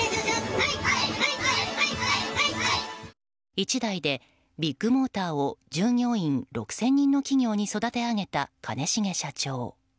一代でビッグモーターを従業員６０００人の企業に育て上げた兼重社長。